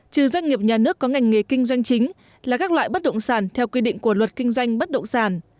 trừ doanh nghiệp nhà nước có ngành nghề kinh doanh chính là các loại bất động sản theo quy định của luật kinh doanh bất động sản